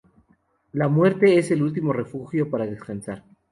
La muerte es el último refugio para descansar.